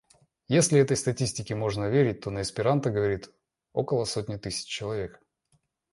Если этой статистике можно верить, то на эсперанто говорит около сотни тысяч человек.